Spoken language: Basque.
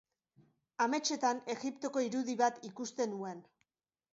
Ametsetan Egiptoko irudi bat ikusten nuen.